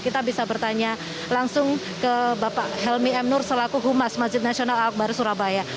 kita bisa bertanya langsung ke bapak helmi m nur selaku humas masjid nasional al akbar surabaya